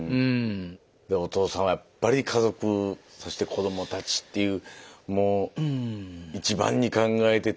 お父さんはやっぱり家族そして子どもたちっていうもう一番に考えてて。